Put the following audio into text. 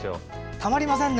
たまりませんね。